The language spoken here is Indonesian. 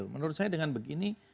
menurut saya dengan begini